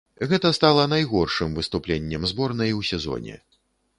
Гэта стала найгоршым выступленнем зборнай у сезоне.